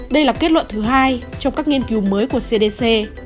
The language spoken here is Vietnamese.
đây là kết luận thứ hai trong các nghiên cứu mới của cdc